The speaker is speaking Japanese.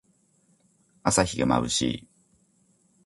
朝日がまぶしい。